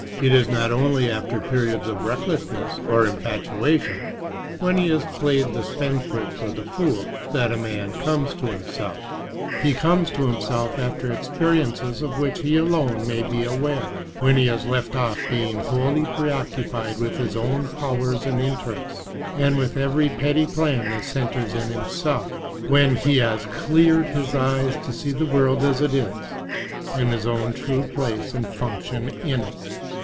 It is not only after periods of recklessness or infatuation, when he has played the spendthrift or the fool, that a man comes to himself. He comes to himself after experiences of which he alone may be aware: when he has left off being wholly preoccupied with his own powers and interests and with every petty plan that centers in himself; when he has cleared his eyes to see the world as it is, and his own true place and function in it.